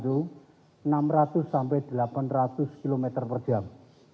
itu enam ratus sampai delapan ratus km per jam